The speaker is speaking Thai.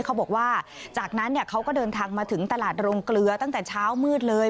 เขาบอกว่าจากนั้นเขาก็เดินทางมาถึงตลาดโรงเกลือตั้งแต่เช้ามืดเลย